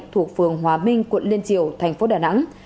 thuộc phường hòa minh quận liên triều thành phố đà nẵng